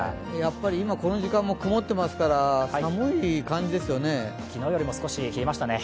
今この時間も曇っていますから、寒い感じですよね。